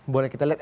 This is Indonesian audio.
boleh kita lihat